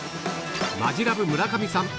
マヂラブ・村上さん